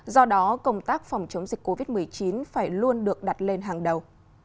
do đó công tác phòng chống dịch covid một mươi chín phải luôn được đặt lên hàng đầu